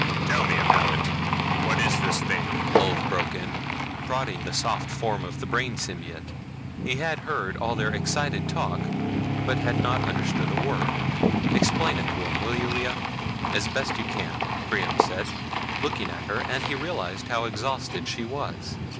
"Tell me about it. What is this thing?" Ulv broke in, prodding the soft form of the brain symbiote. He had heard all their excited talk but had not understood a word. "Explain it to him, will you, Lea, as best you can," Brion said, looking at her, and he realized how exhausted she was.